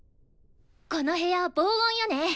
この部屋防音よね？